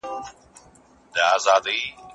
د متخصص سره مشوره د اختلال د کنټرول لپاره حیاتي ده.